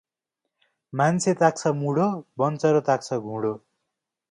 मान्छे ताक्छ मुडो, बन्च्-रो ताक्छ घुडो